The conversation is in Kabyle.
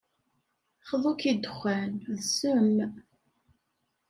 Xḍu-k i ddexxan, d ssem.